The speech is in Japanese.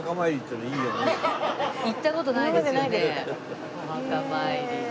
行った事ないですよねお墓参り。